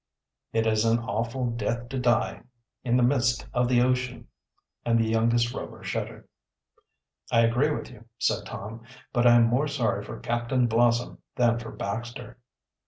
"It is an awful death to die in the midst of the ocean," and the youngest Rover shuddered. "I agree with you," said Tom. "But I am more sorry for Captain Blossom than for Baxter."